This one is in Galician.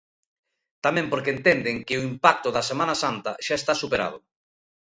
Tamén porque entenden que o impacto da Semana Santa xa está superado.